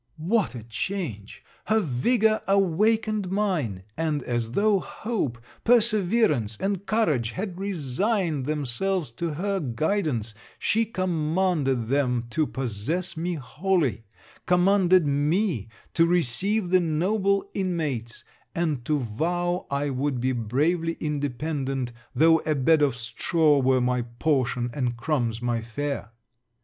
What a change! her vigour awakened mine; and as though hope, perseverance and courage had resigned themselves to her guidance, she commanded them to possess me wholly commanded me to receive the noble inmates, and to vow I would be bravely independent, though a bed of straw were my portion and crumbs my fare.